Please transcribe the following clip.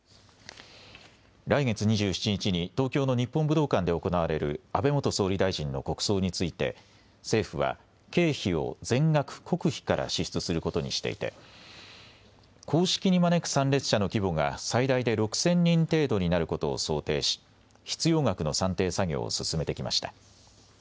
来月２７日に東京の日本武道館で行われる、安倍元総理大臣の国葬について、政府は、経費を全額国費から支出することにしていて、公式に招く参列者の規模が最大で６０００人程度になることを想定し、必要額の算定作業を進めてきました。